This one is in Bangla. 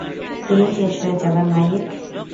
তুমি শেষ হয়ে যাবে, মাইক।